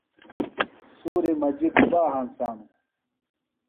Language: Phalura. سُوری مجیۡ گُبا ہنسانوۡ؟